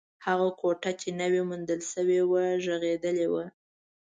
هغه کوټه چې نوې موندل شوې وه، غږېدلې وه.